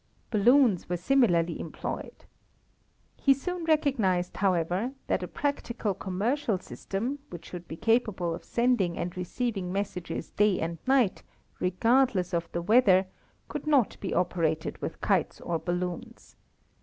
Balloons were similarly employed. He soon recognized, however, that a practical commercial system, which should be capable of sending and receiving messages day and night, regardless of the weather, could not be operated with kites or balloons.